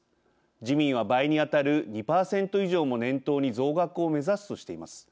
自民は倍にあたる２％以上も念頭に増額を目指すとしています。